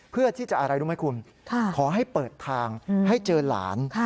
เพื่อที่จะอะไรรู้ไหมคุณขอให้เปิดทางให้เจอหลาน